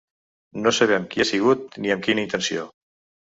No sabem qui ha sigut ni amb quina intenció.